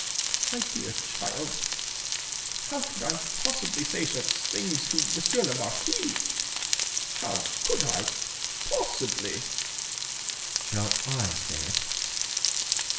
My dear child, how could I possibly say such a thing to M. le Marquis? How could I possibly?" "Shall I say it?"